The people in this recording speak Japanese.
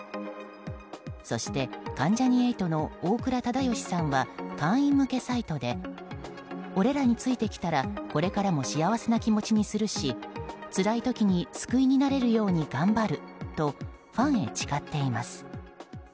そして、関ジャニ∞の大倉忠義さんは会員向けサイトで俺らについてきたらこれからも幸せな気持ちにするしつらい時に救いになれるように頑張るとファンヘ誓っています。